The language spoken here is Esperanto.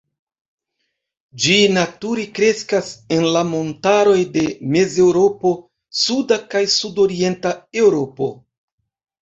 Ĝi nature kreskas en la montaroj de Mezeŭropo, Suda kaj Sudorienta Eŭropo.